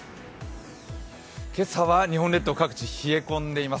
今朝は日本列島各地、冷え込んでいます。